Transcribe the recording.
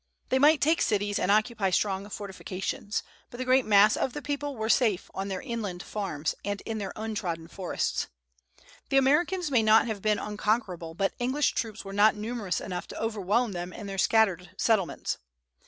They might take cities and occupy strong fortifications, but the great mass of the people were safe on their inland farms and in their untrodden forests. The Americans may not have been unconquerable, but English troops were not numerous enough to overwhelm them in their scattered settlements.